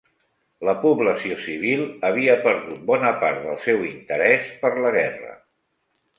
La població civil havia perdut bona part del seu interès per la guerra